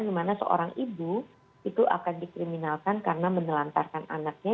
dimana seorang ibu itu akan dikriminalkan karena menelantarkan anaknya